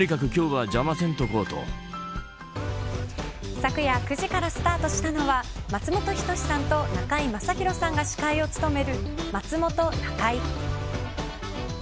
昨夜９時からスタートしたのは松本人志さんと中居正広さんが司会を務めるまつもｔｏなかい。